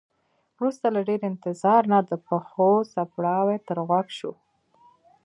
وروسته له ډیر انتظار نه د پښو څپړاوی تر غوږ شو.